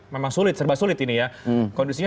memang sulit serba sulit ini ya kondisinya